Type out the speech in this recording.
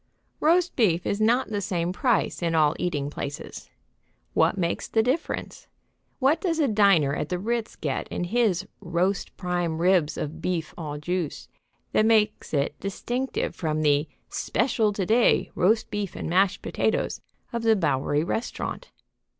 Roast beef is not the same price in all eating places. What makes the difference? What does a diner at the Ritz get in his "roast prime ribs of beef au jus" that makes it distinctive from the "Special to day roast beef and mashed potatoes" of the Bowery restaurant?